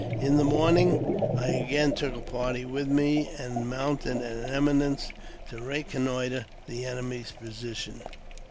In the morning, I again took a party with me, and mounted an eminence to reconnoitre the enemy's position.